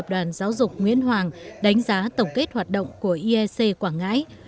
đoàn giáo dục nguyễn hoàng đánh giá tổng kết hoạt động của iec quảng ngãi